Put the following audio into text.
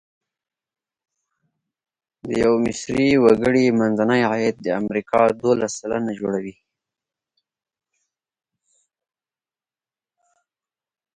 د یوه مصري وګړي منځنی عاید د امریکا دوولس سلنه جوړوي.